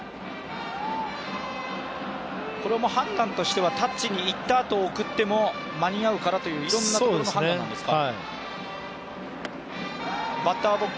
これは判断としてはタッチに行ったあと送っても間に合うからという、いろんなところの判断なんですか。